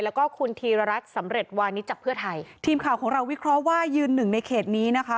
แล้วก็คุณธีรรัฐสำเร็จวานิสจากเพื่อไทยทีมข่าวของเราวิเคราะห์ว่ายืนหนึ่งในเขตนี้นะคะ